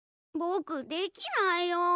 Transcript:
ぼくできないよ。